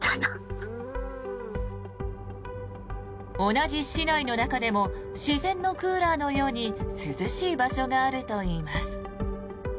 同じ市内の中でも自然のクーラーのように涼しい場所があるといいます。